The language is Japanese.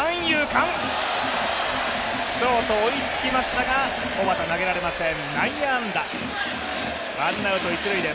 ショート追いつきましたが、小幡、投げられません、内野安打。